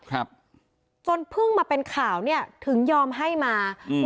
ครับจนเพิ่งมาเป็นข่าวเนี้ยถึงยอมให้มาอืม